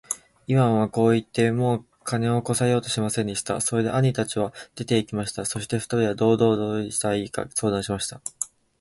イワンはこう言って、もう金をこさえようとはしませんでした。それで兄たちは出て行きました。そして二人は道々どうしたらいいか相談しました。